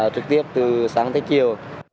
trực tiếp từ sáng tới chiều